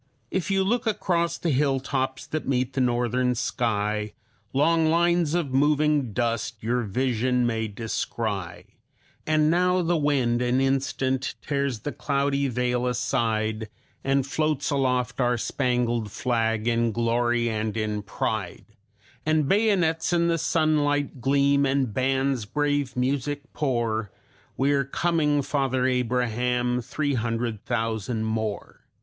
"If you look across the hilltops that meet the northern sky, Long lines of moving dust your vision may descry; And now the wind, an instant, tears the cloudy veil aside, And floats aloft our spangled flag in glory and in pride; And bayonets in the sunlight gleam, and bands brave music pour We are coming, Father Abraham, three hundred thousand more.